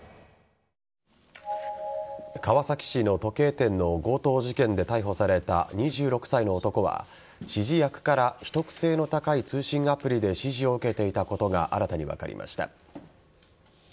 川崎市の時計店の強盗事件で逮捕された２６歳の男は指示役から秘匿性の高い通信アプリで指示を受けていたことが新たに分かりました。